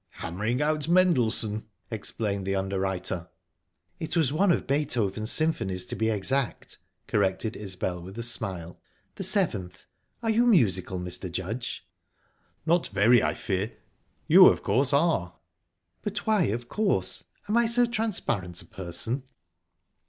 "Hammering out Mendelssohn," explained the underwriter. "It was one of Beethoven's Symphonies, to be exact," corrected Isbel, with a smile. "The Seventh. Are you musical, Mr. Judge?" "Not very, I fear. You, of course, are?" "But why 'of course'? Am I so transparent a person?"